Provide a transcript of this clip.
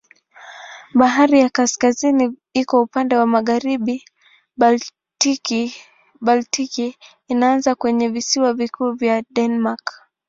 Bahari ya Kaskazini iko upande wa magharibi, Baltiki inaanza kwenye visiwa vikuu vya Denmark.